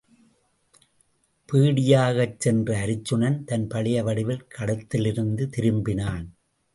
பேடியாகச் சென்ற அருச்சுனன் தன் பழைய வடிவில் களத்திலிருந்து திரும்பினான்.